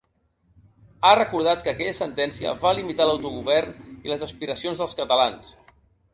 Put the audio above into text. Ha recordat que aquella sentència va limitar l’autogovern i les aspiracions dels catalans.